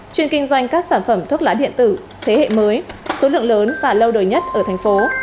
chuyên kinh doanh các sản phẩm thuốc lá điện tử thế hệ mới số lượng lớn và lâu đời nhất ở thành phố